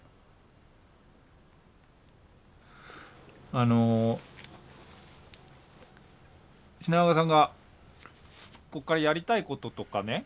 あの品川さんがここからやりたいこととかね。